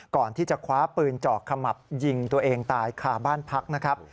ก่อนที่จะคว้าปืนเจาะขมับยิงตัวเองตายคาบ้านพักนะครับ